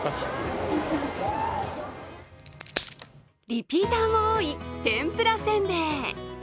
リピーターも多い天ぷらせんべい。